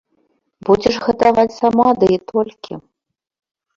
Будзеш гадаваць сама, ды і толькі.